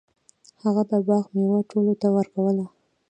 هغه د باغ میوه ټولو ته ورکوله.